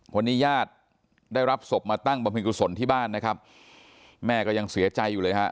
วันนี้ญาติได้รับศพมาตั้งบำเพ็ญกุศลที่บ้านนะครับแม่ก็ยังเสียใจอยู่เลยฮะ